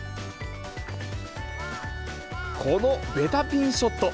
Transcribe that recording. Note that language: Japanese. このベタピンショット。